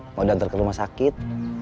mau diantar ke rumah sakit